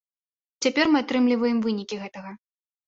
Цяпер мы атрымліваем вынікі гэтага.